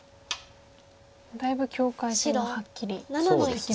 だいぶ境界線がはっきりしてきましたね。